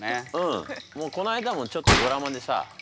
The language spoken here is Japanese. この間もちょっとドラマでさ。